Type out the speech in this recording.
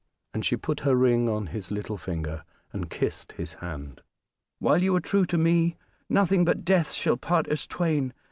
And she put her ring on his little finger and kissed his hand. "While you are true to me, nothing but death shall part us twain.